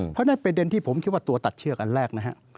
เพราะฉะนั้นประเด็นที่ผมคิดว่าตัวตัดเชือกอันแรกนะฮะ